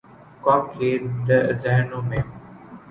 قوم کے ذہنوں میں۔